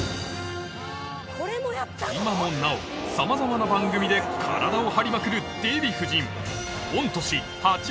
今もなおさまざまな番組で体を張りまくるデヴィ夫人